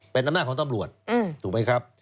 เป็นอำนาจของตำรวจถูกไหมครับ